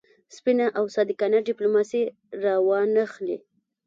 سپینه او صادقانه ډیپلوماسي را وانه خلي.